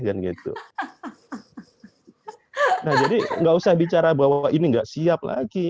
jadi tidak usah bicara bahwa ini tidak siap lagi